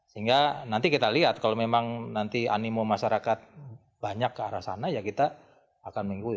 sehingga nanti kita lihat kalau memang nanti animo masyarakat banyak ke arah sana ya kita akan mengikuti